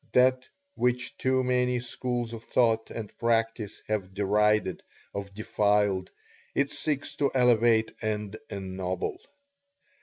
That which too many schools of thought and practice have derided or defiled, it seeks to elevate and ennoble.